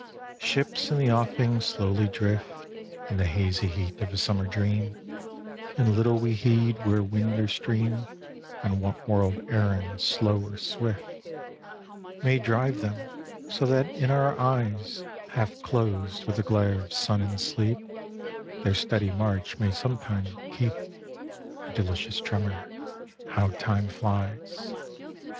II IN THE NET OF THE STARS Ships in the offing slowly drift, In the hazy heat of a summer dream, And little we heed where wind or steam, On what world errand, slow or swift, May drive them, so that in our eyes, Half closed with the glare of sun, and sleep, Their steady march may sometime keep A delicious tremor: How time flies